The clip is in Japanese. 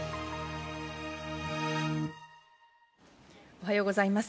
おはようございます。